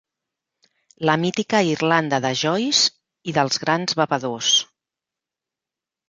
La mítica Irlanda de Joyce i dels grans bevedors.